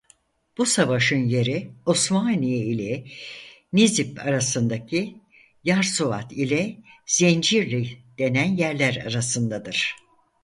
Bu savaşın yeri Osmaniye ile Nizip arasındaki Yarsuvat ile Zencirli denen yerler arasındadır.